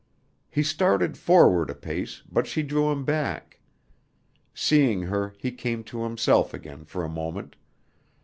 He started forward a pace, but she drew him back. Seeing her he came to himself again for a moment.